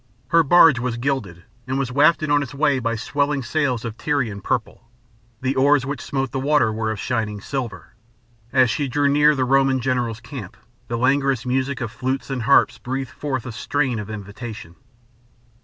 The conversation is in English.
Her barge was gilded, and was wafted on its way by swelling sails of Tyrian purple. The oars which smote the water were of shining silver. As she drew near the Roman general's camp the languorous music of flutes and harps breathed forth a strain of invitation.